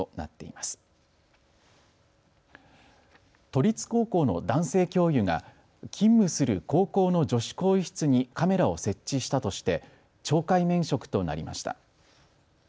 都立高校の男性教諭が勤務する高校の女子更衣室にカメラを設置したとして懲戒免職となりました。